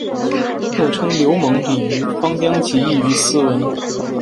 又称刘猛、李馀“方将极意于斯文”。